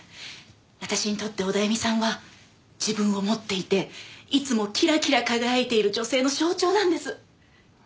私にとってオダエミさんは自分を持っていていつもキラキラ輝いている女性の象徴なんです。